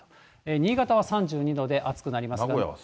新潟は３２度で暑くなりますね。